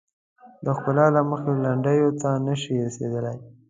د ښکلا له مخې لنډیو ته نه شي رسیدلای.